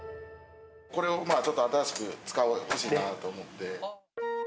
これをちょっと新しく使おうかなと思って。